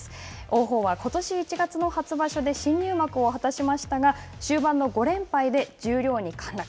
王鵬はことし１月の初場所で新入幕を果たしましたが終盤の５連敗で十両に陥落。